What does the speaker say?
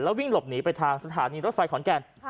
วิ่งหลบหนีไปทางสถานีรถไฟขอนแก่น